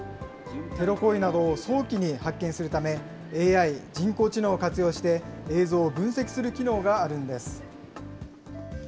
テロ行為などを早期に発見するため、ＡＩ・人工知能を活用して、映像を分析する機能があるんです。